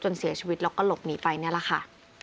เสียชีวิตแล้วก็หลบหนีไปนี่แหละค่ะ